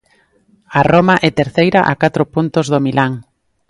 A Roma é terceira a catro puntos do Milán.